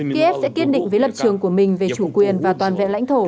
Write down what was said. kiev sẽ kiên định với lập trường của mình về chủ quyền và toàn vẹn lãnh thổ